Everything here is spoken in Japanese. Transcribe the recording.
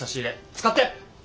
使って！